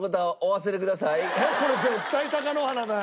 えっこれ絶対貴乃花だよ。